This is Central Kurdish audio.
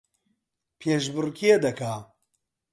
پێشبڕکێ دەکا